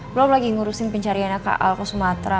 belom lagi ngurusin pencariannya kak al ke sumatera